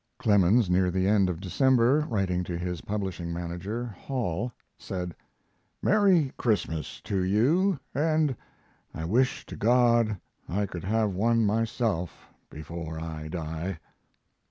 Clemens, near the end of December, writing to his publishing manager, Hall, said: Merry Christmas to you, and I wish to God I could have one myself before I die.